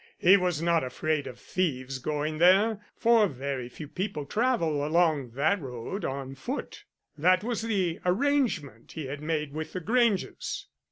He was not afraid of thieves going there, for very few people travel along that road on foot. That was the arrangement he had made with the Granges.